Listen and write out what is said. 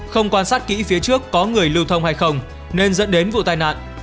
không quan sát kỹ phía trước có người lưu thông hay không nên dẫn đến vụ tai nạn